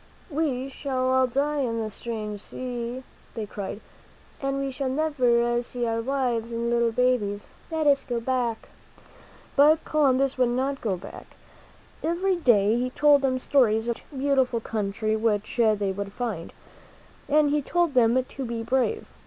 "We shall all die in this strange sea," they cried, "and we shall never see our wives and little babies. Let us go back." But Columbus would not go back. Every day he told them stories of the rich, beautiful country which they would find. And he told them to be brave.